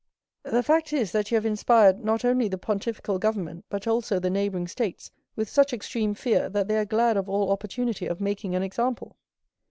"The fact is, that you have inspired not only the pontifical government, but also the neighboring states, with such extreme fear, that they are glad of all opportunity of making an example."